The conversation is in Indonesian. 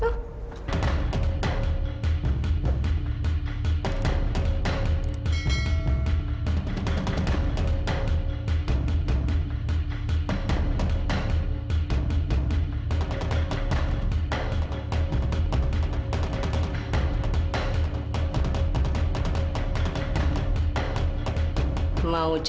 pertama kali kamu